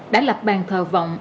đã lập bàn thờ vọng